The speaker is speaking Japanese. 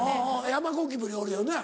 山ゴキブリおるよね。